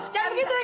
jangan begitu riana